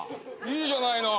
いいじゃないの。